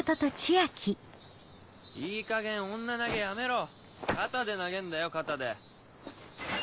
いいかげん女投げやめろ肩で投げんだよ肩で。